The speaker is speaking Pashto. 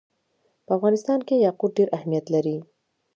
په افغانستان کې یاقوت ډېر اهمیت لري.